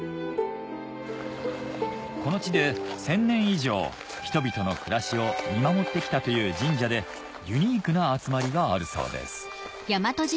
この地で１０００年以上人々の暮らしを見守ってきたという神社でユニークな集まりがあるそうです